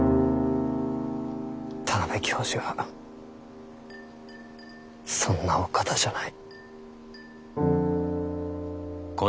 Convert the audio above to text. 田邊教授はそんなお方じゃない。